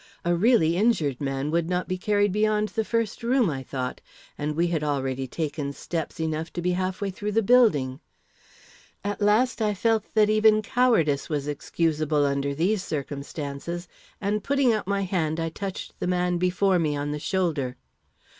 A really injured man would not be carried beyond the first room, I thought, and we had already taken steps enough to be half way through the building. At last I felt that even cowardice was excusable under these circumstances, and, putting out my hand, I touched the man before me on the shoulder.